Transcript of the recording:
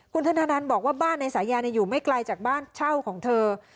คุณธนานันต์บอกว่าบ้านในสายาอยู่ไม่ไกลจากบ้านเช่าของเธอ